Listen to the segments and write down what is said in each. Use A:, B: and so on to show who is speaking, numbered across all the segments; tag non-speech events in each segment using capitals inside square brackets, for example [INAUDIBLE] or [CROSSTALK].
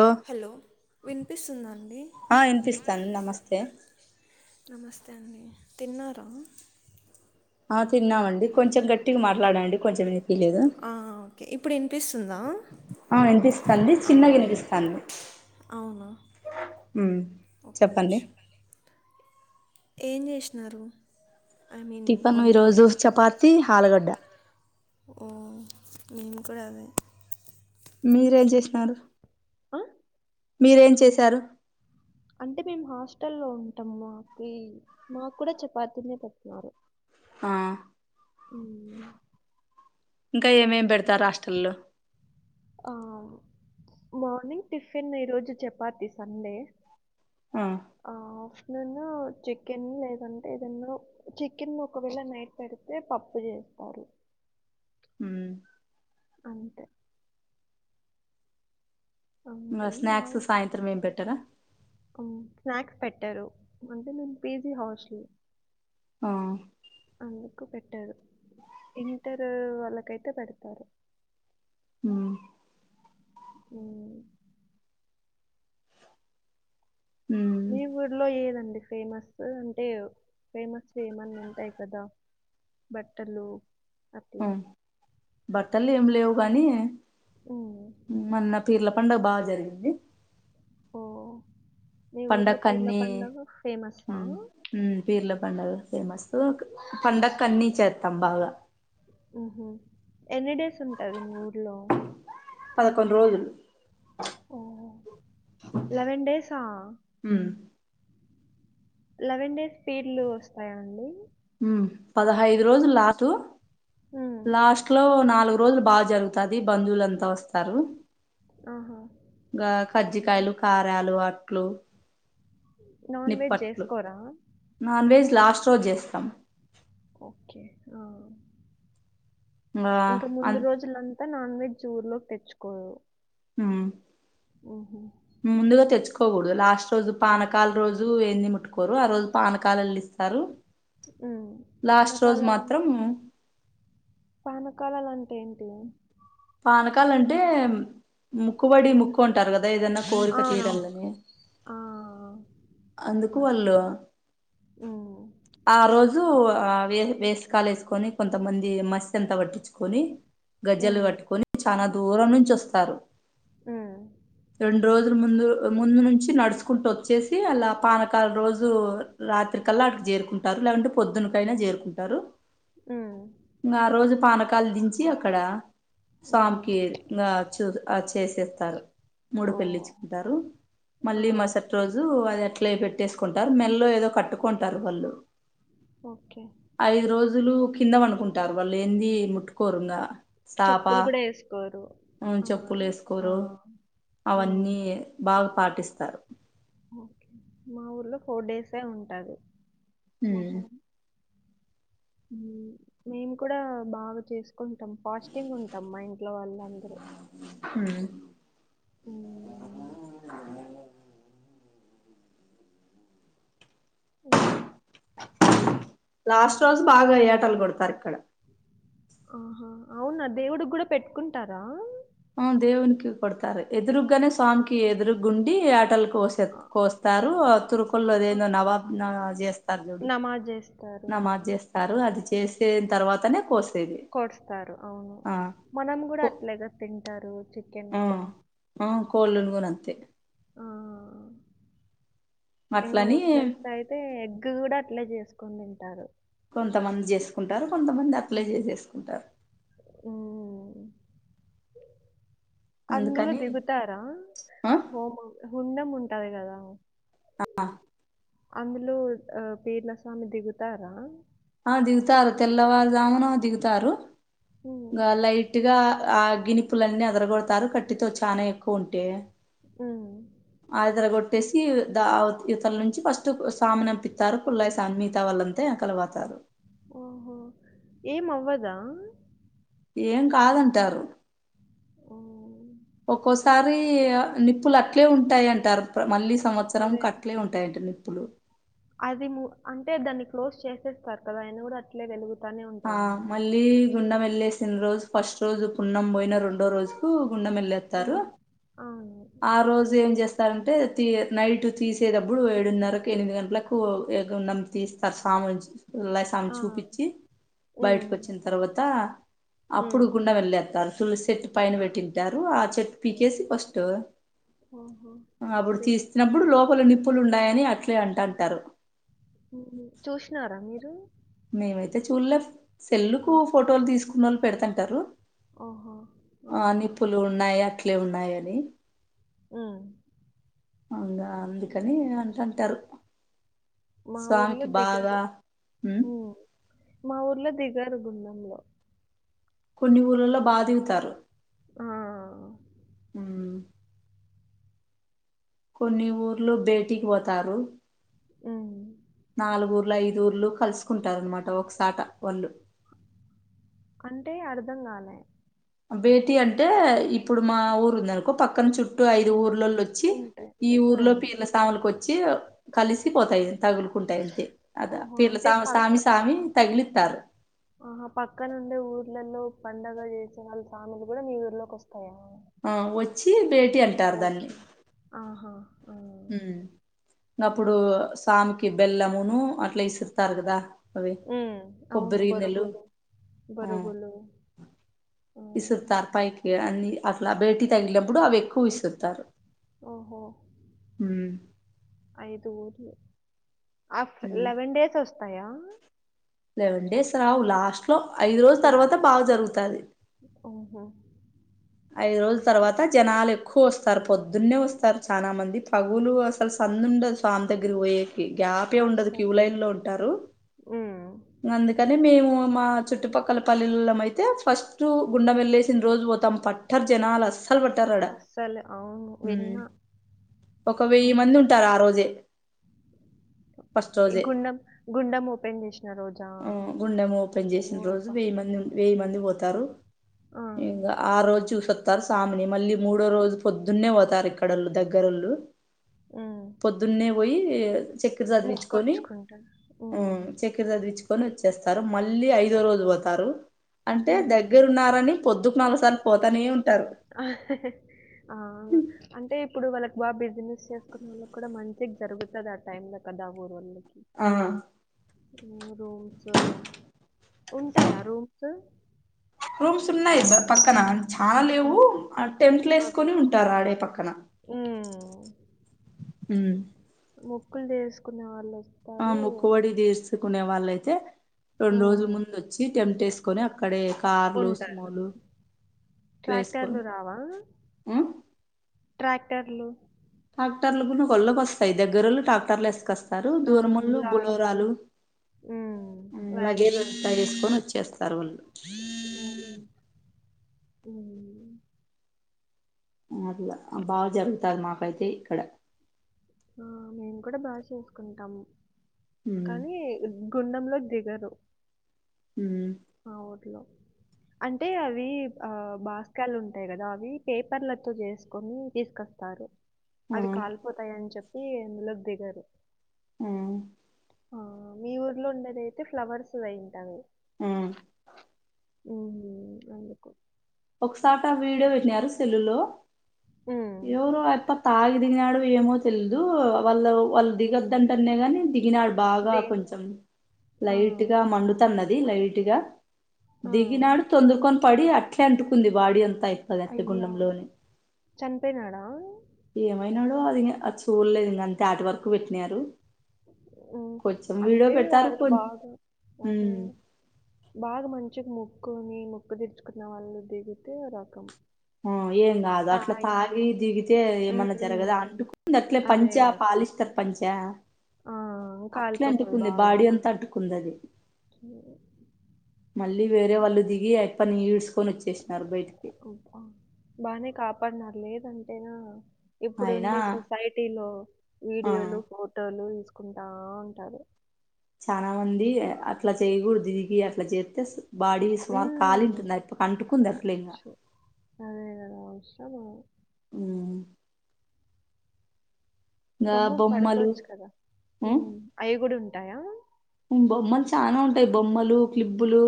A: లో
B: హలో వినిపిస్తుందా అండీ
A: ఆ ఇన్పిస్తంది నమస్తే
B: నమస్తే అండీ తిన్నారా
A: ఆ తిన్నామండి కొంచెం గట్టిగా మాట్
B: ఆ ఒకే ఇప్పుడు ఇన్పిస్తుందా
A: ఆ ఇన్పిస్తంది చిన్నగా ఇన్పిస్తంది
B: అవున
A: ఉ చెప్పండి
B: ఎంజేషీనారు ఐ మీన్
A: టిఫన్
B: ఒంట
A: ఈరోజు
B: ఈ రోజు
A: చపాతి
B: చెపాతి
A: ఆలుగడ్డ
B: హలదానం ఓ మిం కూడా అదే
A: మీరేం చేశినారు
B: అ
A: మీరేం చేసారు
B: అంటే మీమ్ హాస్టల్ లో ఉంటాం మా కీ మాక్ కూడా చపాతీనేే పెట్టినారు
A: ఆ
B: ఊ
A: ఇంకా ఏమేమి పెడతారు హోస్టెల్లో
B: ఆవ్ మార్నింగ్ టిఫిన్ ఈ రోజు చపాతీ సండే
A: ఆ
B: ఆ ఆఫ్టర్నూన్ చికెన్ లేదంటే ఏదన్నా చికెన్ ఒకవేళ నైట్ పెడితే పప్పు చేస్తారు
A: ఊ
B: అంతే
A: ఇంగ
B: అంతే
A: స్నాక్స్
B: మారది
A: సాయంత్రం ఏం పెట్టరా
B: ఉం స్నాక్స్ పెట్టారు అంటే నేను పీజీ హాస్టల్
A: ఆ
B: అందుకు పెట్టరు ఇంటర్ వాళ్ళకైతే పెడతారు
A: ఊ
B: ఏ
A: ఊ
B: మీ ఊర్లో ఏదండి ఫేమస్ అంటే ఫేమస్ ఏమన్నా ఉంటాయి కదా బట్టలు
A: ఆ
B: అట్లా
A: బట్టలు ఏమి లేవు కానీ
B: ఉ
A: మొన్నా పీర్ల పండుగ బాజరిగింది.
B: ఓ మీ ఊర్లో పీర్ల
A: పండక్కన్ని
B: పండగ ఫేమసా.
A: హ్మ్ పీర్ల పండుగ ఫేమస్ పండక్కు అన్నీ చేత్తాం బాగా.
B: ఉహ్ ఎన్ని డేస్ ఉంటాది మీ ఊర్లో?
A: పదకొండు రోజులు.
B: ఓహో లెవెన్ డేసా.
A: హ్
B: లెవెన్ డేస్ పీర్లు వస్తాయా అండి.
A: పదహైదు రోజులు లాస్ట్,
B: హ్మ్.
A: లాస్ట్లో నాలుగు రోజులు బాజరుగు తది బంధువులంతా వస్తారు
B: ఆహా!
A: ఇంగా
B: హుహు.
A: కజ్జికాయలు కారాలు, అట్లు,
B: నాన్ వెజ్
A: నిప్పట్లు
B: చేసుకోరా?
A: నాన్ వెజ్ లాస్ట్ రోజు చేస్తాం.
B: ఓకే ఆ
A: ఆ
B: ఇంకా ముందు
A: అన్
B: రోజులం తా నాన్ వెజ్ ఊర్లోలోకి తెచ్చుకోరు.
A: ఆ
B: ఓహో
A: ముందుగా తెచ్చుకోకూడదు లాస్ట్ రోజు
B: ఆ!
A: పానకాల
B: ఓకే.
A: రోజు ఏంది ముటు కోరు ఆ రోజు పానకాలళ్ళ ఇస్తారు.
B: ఉ
A: లాస్ట్ రోజు
B: పానకాలంటే
A: మాత్రం
B: పానకాలాల్ల అంటే ఏంటి?
A: పానకాల అంటే ముక్కుబడి ముక్కు అంటారు కదా ఏదన్నా కోరిక
B: అవునవును.
A: తీరాలని.
B: ఆ
A: అందుకు
B: ఆ! అదే.
A: వళ్ళు
B: హ్మ్.
A: ఆ రోజు ఆ వే వేసకాలు వేసుకొని కొంతమంది మస్తి అంత పట్టించుకొని గజ్జలు
B: హ్మ్.
A: కట్టుకొని చానా దూరం నుంచి వస్తారు,
B: హ్మ్.
A: రెండు రోజు ముందు ముందు నుంచి నడుచుకుంటూ వచ్చేసి తి అలా పానకాల రోజు రాత్రికల్లా అక్కడికి చేరుకుంటారు లేకుంటే పొద్దున్నకైనా చేరుకుంటారు.
B: ఆ
A: ఇంగా ఆ రోజు పానకాలు దించి అక్కడ
B: హుహు.
A: స్వామికి ఇంగా చూద్ ఆ చేసేస్తారు, ముడుపు
B: ఓహ్!
A: ఎళ్లిచ్చుకుంటారు మళ్ళీ
B: ఆ!
A: మరసటి రోజు అది అట్లే పెట్టేసుకుంటారు, మెల్లో ఏదో కట్టుకుంటారు వాళ్ళు.
B: ఓకే
A: ఐదు రోజులు కింద పండుకుంటారు, వాళ్ళు ఏంది ముట్టుకోరు ఇంగా. సాప,
B: చెప్పులు గూడా యేసుకోరు.
A: ఆ
B: అవునా?
A: చెప్పులు
B: ఆ!
A: వేసుకోరు
B: హ్మ్.
A: అవన్నీ బాగా పాటిస్తారు.
B: ఓకే మా ఊర్లో ఫోర్ డేసే ఉంటది
A: ఉమ్
B: మొహరం. మేము కూడా బాగా చేస్ కుంటం ఫాస్టింగ్ ఉంటం మా ఇంట్లో వాళ్ళందరూ. ఇంకా
A: లాస్ట్ రోజు బాగా ఏటలు కొడతరు ఇక్కడ.
B: ఆహా అవునా దేవుడి కూడా పెట్టుకుంటారా.
A: ఆ దేవునికి కొడతారు ఎదురుగ్గనే స్వామికి
B: ఓకే. ఓకే.
A: ఎదురుగుండి యాటలు కోసే
B: ఆ!
A: కోస్తారు
B: ఆ!
A: తురుకొల్లదేందో నవాబు నా చేస్
B: నమాజ్ జేస్
A: నమాజ్ చేస్తారు అది చేసేన్ తర్వాతనే కోసేది
B: కోస్తారు అవును
A: ఆ
B: మనం కూడా
A: కో
B: అట్లేగా తింటారు చికెన్
A: ఆ
B: కూడా
A: ఆ కోళ్ళును గూన అంతే
B: ఆ ఇంకా
A: అట్లని
B: ముస్లిమ్ ఐ తే ఎగ్గు కూడా అట్లే చేసుకొని తింటారు
A: కొంతమంది చేసుకుంటారు కొంతమంది అట్లే
B: ఉమ్,
A: చేసేసుకుంటారు
B: అందులో
A: అందుకని
B: దిగుతా రా
A: ఆ
B: హోమ హుండం ఉంటాది గదా
A: ఆ
B: అందులో ఆ పీర్ల స్వామి దిగుతారా
A: ఆ దిగుతారు తెల్లవారుజామున దిగుతారు
B: ఉమ్,
A: గా లైట్ గా ఆ గినిపులన్నీ అదరగొడతారు కట్టితో చానా ఎక్కువ ఉంటే
B: ఉమ్
A: అదరగొట్టేసి ద అవుత్ ఇవతల నుంచి ఫస్ట్ సామినంపిత్తారు కుళ్ళాయి సామి మిగతా వాళ్ళం తే ఎనకాల పోతారు
B: ఓహో ఏం అవ్వదా
A: ఏం కాదంటారు
B: ఓ
A: ఒక్కోసారి నిప్పులు అట్లే ఉంటాయి అంటారు మళ్ళీ
B: అదే
A: సంవత్సరంకు అట్లే ఉంటాయంటడి నిప్పులు
B: అది ము అంటే దాన్ని క్లోజ్ చేసేస్తారు కదా ఆయినా కూడా అట్లే వెలుగుతానే ఉంటాయా
A: ళ్ళీ గుండం వెళ్ళేసిన రోజు ఫస్ట్ రోజు పున్నం పోయిన రెండో రోజుకు గుండం ఎళ్ళేత్తారు
B: ఉమ్, అవును
A: ఆ రోజు ఏం చేస్ స్తారంటే తీ నైట్ తీసేదప్పుడు ఏడున్నరకు ఎనిమిది గంటలకు ఏ గుండం తీస్తారు సాముంచి పుల్లయ్ సామి
B: ఆ,
A: చూపిచ్చి
B: ఉమ్,
A: బయటకొచ్చిన తర్వాత అప్పుడు
B: ఉమ్.
A: గుండం వెళ్ళేత్తారు తులసి చెట్టు పైన పెట్టింటారు ఆ చె పీకేసి ఫస్టు
B: ఆహా.
A: అప్పుడు
B: రేపు
A: తీస్తిన బ్బుడు లోపల నిప్పులు ఉండాయని అట్లే అంటంటారు
B: చూసినారా మీరు
A: మేమైతే చూడలే సెల్లుకు
B: ఆ,
A: ఫోటోలు తీసుకున్నోళ్ళు పెడతంటారు
B: ఓహో
A: ఆ నిప్పులు ఉన్నాయి అట్లే ఉన్నాయని
B: ఊ
A: అవున్దా అందుకని అంటాంటారు
B: మా ఊర్లో దిగరు
A: ఉమ్
B: ఊ మా ఊర్లో దిగరు గుండంలో
A: కొన్ని ఊళ్లలో బాగా దిగుతారు
B: ఆ
A: ఉమ్ కొన్ని ఊర్లో బేటీకి పోతారు
B: [INAUDIBLE]
A: నాలుగూర్లు ఐదు ఊర్లు కలుసుకుంటారు అనమాట ఒకసాట వాళ్ళు
B: అంటే అర్ధం కాలే
A: భేటీ అంటే ఇప్పుడు మా ఊరు ఉందనుకో పక్కన చు ట్టూ ఐదు
B: ఉమ్,
A: ఊర్లల్లొచ్చి
B: ఉంటాయి
A: ఈ ఊర్లో
B: ఉమ్.
A: పీర్ల తాములకచ్చి కలిసిపోతాయి తగులుకుంటాయంతె అద
B: ఓహో
A: పీల
B: అంటే
A: సామ
B: పక్
A: సామి సామిన్ తగిలితారు
B: ఆహా పక్కనుండే ఊర్లలో పండగ చేసే వాళ్ళ స్వామిలు కూడా మీ ఊర్లోకి వస్తాయా
A: ఆ వచ్చి భేటీయాన్
B: ఓకే ఆహా ఆ
A: ఊ అప్పుడు సామికి బెల్లమును అట్లా ఇసురుతారు కదా అదే
B: ఉమ్, అవును
A: కొబ్బరి నెలు
B: బొరుగులు
A: ఆ
B: బొరుగులు ఆ.
A: విసుతారు పైకి అన్ని అట్లా భేటీ తగిలినప్పుడు అవి ఎక్కువ విసురుతారు
B: ఒహో
A: ఊ
B: ఐదు ఊర్లు ఆఫ్ర్ లెవెన్ డేస్ వస్తాయా
A: లెవెన్ డేస్ రావు లాస్ట్ లో ఐదు రోజుల
B: ఇలా
A: తర్వాత బాగా జరుగుతుంది
B: ఓహో
A: ఐదు రోజుల తర్వాత జనాలు ఎక్కువ వస్తారు పొద్దున్నే వస్తారు చాలా మంది పగులు అసలు సందు ఉండదు సామి దగ్గర పోయేకి గ్యాప్ ఏ ఉండదు క్యూ
B: అస్సలు.
A: లైన్ లో ఉంటారు
B: హ్మ్.
A: అందుకని మేము మా చుట్టుపక్కల పల్లెలో అయితే ఫస్ట్ గుండె వెళ్ళేసిన రోజు పోతాం పట్ పట్టర్ జనాలసలు వట్టరడ
B: అస్సలు అవును. విన్నా.
A: ఒక వెయ్యి మంది
B: హ్మ్.
A: ఉంటారు ఆ రోజే ఫస్ట్
B: ఈ
A: రోజే
B: గుండం గుండెం ఓపెన్ చేసిన రోజా
A: ఆ, గుండెం ఓపెన్ చేసిన
B: ఓ
A: రోజు
B: అబ్బా
A: వెయ్యి మంది ఉం- వెయ్యి మంది పోతారు
B: ఆ!
A: ఇంకా ఆ రోజు చూసొస్తారు సామిని మళ్ళీ మూడో రోజు పొద్దున్నే పోతారు ఇక్కడళ్ళు దగ్గరళ్ళు
B: హ్మ్.
A: పొద్దున్నే పోయి చక్కెర చదివించుకొని
B: మొక్కొచ్చుకుంటారు.
A: ఆ
B: హ్మ్.
A: చ కర చదిచ్చుకొని వచ్చేస్తారు మళ్ళీ ఐదో రోజు పోతారు అంటే
B: హుహు.
A: దగ్గర ఉన్నారని పొద్దుకు నాలుగు సార్లు పోతనే ఉంటారు
B: ఆవును అంటే ఇప్పుడు వాళ్ళకి బాగా బిజినెస్ చేసుకున్న వాళ్ళకి కూడా మంచిగా జరుగుతది ఆ టైమ్ లో కదా ఊరు వాళ్ళకి
A: ఆ
B: ఊ రూమ్స్ ఉంటాయా రూమ్స్
A: రూమ్స్ ఉన్నాయి అబ్బ పక్కన చాలా
B: ఆ!
A: లేవు ఆ టెంటులు
B: అదే.
A: వేసుకుని ఉంటారు ఆడే పక్కన
B: హ్మ్.
A: ఉ
B: మొక్కులు తీర్సుకునే వాళ్ళు వస్
A: ఆ ముక్కువడి తీర్సుకునే వాళ్ళయితే రెండు రోజుల
B: హ్మ్.
A: ముందు వచ్చి టెంట్ వేసుకొని అక్కడే కార్లు
B: ఉంటారు.
A: సుమోలు వేసుకొని
B: ట్రాక్టర్లు రావా?
A: ఆ
B: ట్రాక్టర్లు
A: ట్రాక్టర్లు కూడా ఒక ఒళ్ళకి వస్తాయి దగ్గరలో ట్రాటర్లు ఏసుకొస్తయి
B: ఆ!
A: దూరమొలు
B: లారీ.
A: బులోరాలు
B: హ్మ్.
A: ఊ వగేర
B: వ్యాన్లు.
A: దగెసుకొని వచ్చేస్తారు వాళ్ళు
B: నాది ఏంటిది
A: అట్లా బాగా జరుగుతది మాకైతే ఇక్కడ
B: ఆ మేము కూడా బాగా చేసుకుంటాము
A: ఉమ్
B: కానీ గుండంలో దిగరు
A: ఊ
B: ఆ ఊర్లో అంటే అవి ఆ బాస్కాలు ఉంటాయి కదా అవి పేపర్లతో చేసుకొని తీసుకొస్తా
A: ఆ
B: అది కాలిపోతాయ అని చెప్పి ములోకి దిగ్గరు
A: మ్
B: ఆ మీ ఊర్లో ఉండేది అయితే ఫ్లవర్స్ అయింటంది.
A: మ్
B: ఉమ్
A: ఒకసట వీడియో విట్నరు సెల్లో
B: హ్మ్.
A: యోగా అంత [UNINTELLIGIBLE] దిగినాడు ఏమో తెలిదు వాళ్ళ వాళ్ళు దిగదుంటనే కాగాని దిగినాడు బాగా
B: ది
A: కొంచెం
B: ఆ!
A: లైట్గా మండు ఉన్నది లైట్ గా
B: ఆ!
A: దిగినాడు తొందరకొని తాడి అట్ల అంటుకుంది బాడీ అంతా అయి
B: అయ్యా చనిపోయినాడా
A: ఏమైనాడో అది ఇం అది చూడలేదు ఇంకా క్యాట్ వరకు పెట్టినారు
B: ఉమ్
A: కొంచెం వీడియో
B: అంటే
A: పెడతారు
B: వాళ్ళు
A: కొ
B: బాగా ఉన్నారు
A: ఉమ్
B: బాగా మంచిగా ముక్కుని ముక్కు తీర్చుకున్న వాళ్ళు దిగితే రకం
A: ఆ ఏం కాదు అట్లా తాగి దిరిగితే ఏమన్నా
B: హ్మ్.
A: జరగదా అంటుకుంది అట్లే
B: అదే
A: పంచగా
B: గదా!
A: పాలిస్తారు పంచ
B: ఆ!
A: అట్లా
B: కాలిపోతది
A: అంటుకుంది
B: బాగా.
A: బాడీ అంతా అంటుకున్నది
B: [INAUDIBLE]
A: మళ్ళీ వేరే వాళ్ళ దిగి అయిపన్ నీడ్స్
B: అబ్బా బాగానే కాపాడున లేదంటేనా
A: అయినా
B: ఇప్పుడుడి సొసైటీ లో
A: ఆ
B: వీడియోలు ఫోటోలు తీసుకుంటా ఉంటారు
A: చనా మంది అట్లా చేయ్యకూడదు దినికి అట్లా చేయ అయితే బాడీ సమాల
B: హ్మ్.
A: కాలింటుందియి కంటుకుంది అసలు ఇంకా
B: అదేద అవసరము
A: మ్
B: గమ్ముం
A: బొమ్మలు
B: పడుకోవచ్చు కదా
A: ఉమ్
B: మ్ అయ్యాకూడా ఉంటాయా
A: బొమ్మలు చానా ఉంటాయి బొమ్మలు క్లిప్లో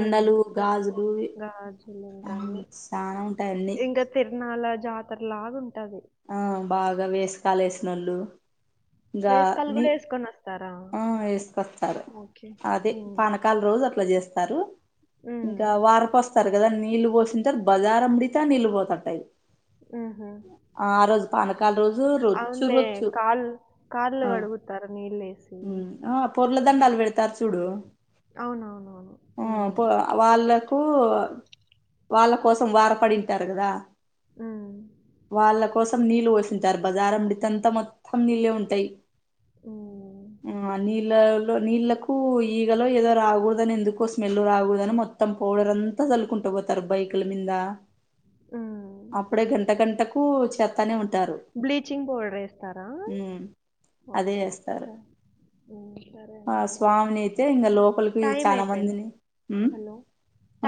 B: ఉమ్, గా-
A: గాజులు
B: గాజులు ఇంకా అన్ని
A: చాలా ఉంటాయి అన్నీ
B: ఇంకా తిరణాల జాతర లాగా ఉంటది
A: ఆ బాగా వేసుకలు వేసినళ్ళు
B: వేసుకలు కూడా వేసుకునా
A: ఆ వేసుకొస్తారు అదే
B: ఉమ్,
A: పానకాల రోజు అట్లా చేస్తారు
B: ఉమ్,
A: ఇంకా వారిపోస్తారు కదా నీళ్ళు పోసంట బజారం ముడితే నీళ్ళు పోతట్టయి
B: ఉ హ
A: రోజు రొచ్చు
B: ఆనులే
A: రొచ్చు
B: కాల్ కల్లు
A: ఆ
B: కడుగు తరనీళ్ లేసిద
A: ఉమ్ ఆ పొర్లదండాలు పెడతారు చూడు
B: అవునవునవును
A: ఆ
B: ఉమ్
A: పో వాళ్ళకు వాళ్ళ కోసం వారపడింటారు కదా
B: మ్
A: వాళ్ళ కోసం నీళ్ళు పోస్తుంటారు బజారం మడితేంతా మొత్తం నీళ్ళే ఉంటాయి
B: మ్
A: ఆ నీళ్ళలో నీళ్ళకు పో ఈగలో ఏదో రాకూడదుని ఎందుకో స్మెల్ రాకూదుని మొత్తం పౌడర్ అంతా చలుకుంట పో బైకుల మీద
B: ఉమ్.
A: అప్పుడే గంట గంటకు చేతనే ఉంట హలో
B: బ్లీచింగ్ పౌడర్ వేస్తారా
A: అదే
B: ఓకే
A: చేస్తారు
B: సరే ఉమ్, సరే
A: ఆ
B: అండి బాయ్
A: స్వామిని అయితే ఇంకా లోపలికి
B: టైం
A: చాలా
B: అయిపోయింది
A: మందిని
B: హలో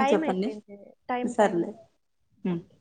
A: ఊ చెప్పండి
B: అయిపోయింది టైం టైం
A: సర్లే ఊ
B: ఓకే